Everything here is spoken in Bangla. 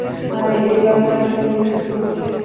আরে, এই বাচ্চারা তো ইংরেজী পড়ছে।